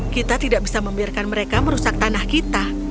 kami tidak bisa membiarkan mereka merusak tanah kami